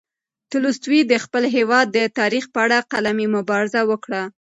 تولستوی د خپل هېواد د تاریخ په اړه قلمي مبارزه وکړه.